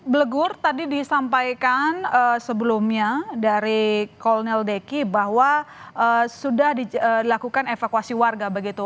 blegur tadi disampaikan sebelumnya dari kolonel deki bahwa sudah dilakukan evakuasi warga begitu